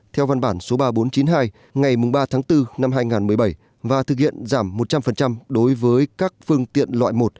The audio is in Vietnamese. theo văn bản số ba nghìn bốn trăm chín mươi hai ngày ba tháng bốn năm hai nghìn một mươi bảy và thực hiện giảm một trăm linh đối với các phương tiện loại một